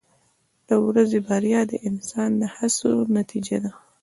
• د ورځې بریا د انسان د هڅو نتیجه ده.